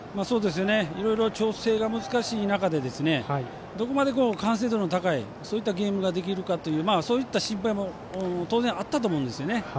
いろいろ調整が難しい中でどこまで完成度の高いゲームができるかというそういった心配も当然あったと思うんですよね。